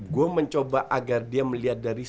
gue mencoba agar dia melihat dari